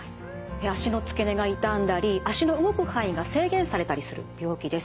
脚の付け根が痛んだり脚の動く範囲が制限されたりする病気です。